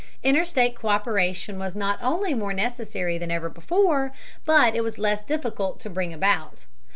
Interstate co÷peration was not only more necessary than ever before, but it was less difficult to bring about.